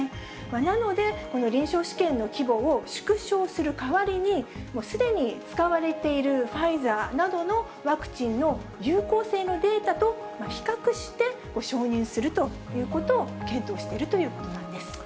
なので、臨床試験の規模を縮小する代わりに、すでに使われているファイザーなどのワクチンの有効性のデータと比較して承認するということを検討しているということなんです。